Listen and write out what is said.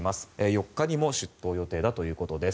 ４日にも出頭予定だということです。